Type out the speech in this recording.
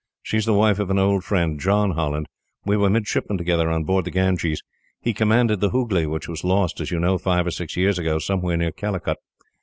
She is the wife of my old friend, John Holland we were midshipmen together on board the Ganges. He commanded the Hooghley, which was lost, you know, five or six years ago, somewhere near Calicut.